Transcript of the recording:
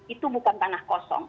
itu bukan tanah kosong